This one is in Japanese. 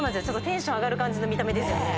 テンション上がる感じの見た目ですよね。